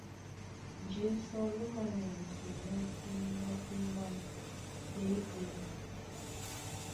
Njé sɔ́ ló manyamsɛnɔ́ póndá ówân tětē.